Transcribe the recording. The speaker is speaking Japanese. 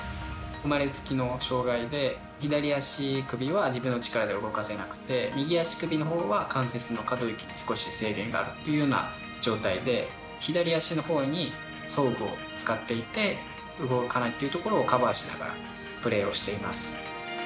生まれつきの障がいで左足首は自分の力で動かせなくて右足首のほうは、関節の可動域少し制限があるというような状態で左足のほうに装具を使っていて動かないというところをカバーしながらプレーをしています。